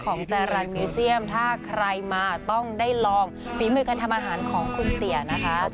จารันมิวเซียมถ้าใครมาต้องได้ลองฝีมือการทำอาหารของคุณเตี๋ยนะคะ